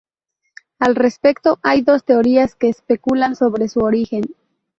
Al respecto hay dos teorías que especulan sobre su origen.